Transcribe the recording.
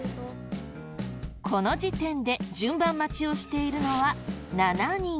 この時点で順番待ちをしているのは７人。